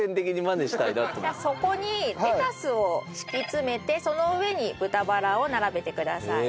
そこにレタスを敷き詰めてその上に豚バラを並べてください。